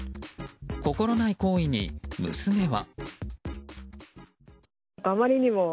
心ない行為に娘は。